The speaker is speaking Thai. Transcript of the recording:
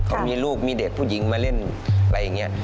เขามีลูกมีเด็กผู้หญิงมาเล่นอะไรอย่างนี้